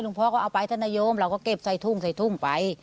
ลุงพ่อก็เอาไปทนยมเราก็เก็บใส่ถุ้งใส่ถุ้งไป